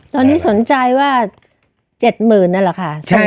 ตอนนี้สนใจว่า๗๐๐๐นั่นแหละค่ะ